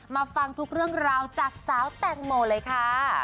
มาฟังทุกเรื่องราวจากสาวแตงโมเลยค่ะ